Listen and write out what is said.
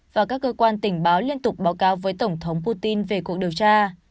và các cơ quan tình báo liên tục báo cáo với tổng thống putin về cuộc điều tra